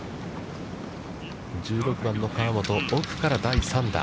１６番の河本、奥から第３打。